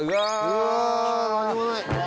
うわ何もない。